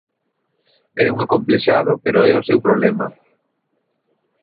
É un acomplexado, pero é o seu problema.